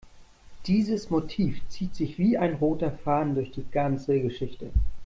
Dieses Motiv zieht sich wie ein roter Faden durch die ganze Geschichte.